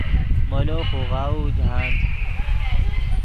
مولو خوغاؤو جاہند